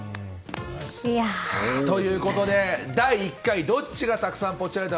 ということで、第１回どっちがたくさんポチられた！？